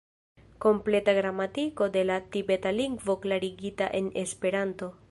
Kompleta Gramatiko de la Tibeta Lingvo klarigita en Esperanto.